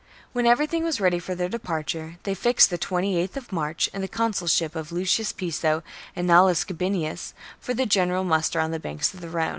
When everything was ready for their departure, they fixed the 28th of March,^ in the consulship of Lucius Piso and Aulus Gabinius, for the general muster on the banks of the Rhone.